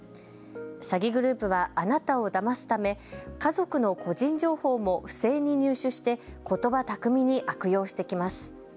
詐欺グループはあなたをだますため家族の個人情報も不正に入手してことば巧みに悪用してきます。